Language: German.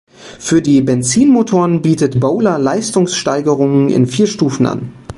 Für die Benzinmotoren bietet Bowler Leistungssteigerungen in vier Stufen an.